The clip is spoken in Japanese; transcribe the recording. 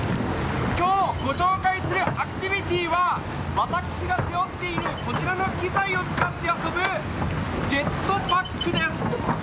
今日、ご紹介するアクティビティーは私が背負っている、こちらの機材を使って遊ぶジェットパックです。